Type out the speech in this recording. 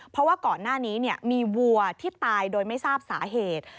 เพราะว่าก่อนหน้านี้มีวัวที่ตายโดยไม่ทราบสาเหตุ